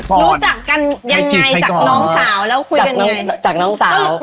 รู้จักกันยังไงจากน้องสาวแล้วคุยกันไง